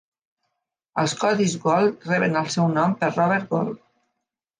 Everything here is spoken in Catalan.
Els codis Gold reben el seu nom per Robert Gold.